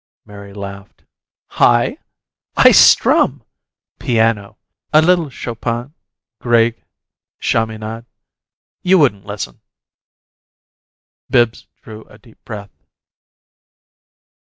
Mary laughed. "I? I strum! Piano. A little Chopin Grieg Chaminade. You wouldn't listen!" Bibbs drew a deep breath.